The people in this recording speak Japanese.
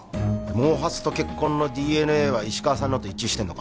毛髪と血痕のＤＮＡは石川さんのと一致か？